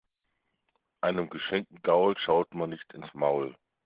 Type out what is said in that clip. Einem geschenkten Gaul schaut man nicht ins Maul.